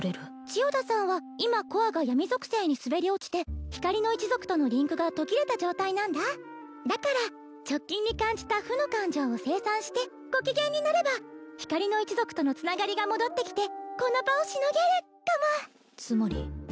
千代田さんは今コアが闇属性に滑り落ちて光の一族とのリンクが途切れた状態なんだだから直近に感じた負の感情を清算してご機嫌になれば光の一族とのつながりが戻ってきてこの場をしのげるかもつまり？